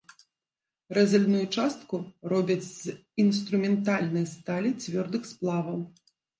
Рэзальную частку робяць з інструментальнай сталі, цвёрдых сплаваў.